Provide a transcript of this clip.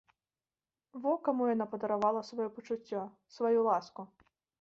Во каму яна падаравала сваё пачуццё, сваю ласку!